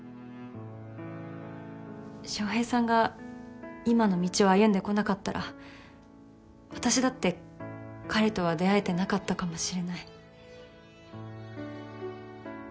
翔平さんが今の道を歩んでこなかったら私だって彼とは出会えてなかったかもしれない。